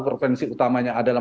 propensi utamanya adalah